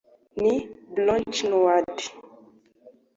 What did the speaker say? ni Buchenwald